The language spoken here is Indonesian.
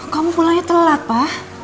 kamu pulangnya telat pa